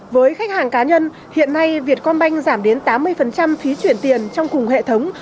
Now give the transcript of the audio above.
với khách hàng cá nhân hiện nay việt con banh giảm đến tám mươi phí chuyển tiền trong cùng hệ thống